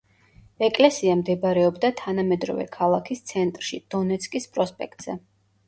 ეკლესია მდებარეობდა თანამედროვე ქალაქის ცენტრში დონეცკის პროსპექტზე.